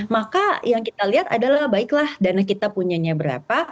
maka yang kita lihat adalah baiklah dana kita punyanya berapa